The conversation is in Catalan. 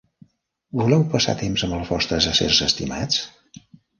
Voleu passar temps amb els vostres éssers estimats?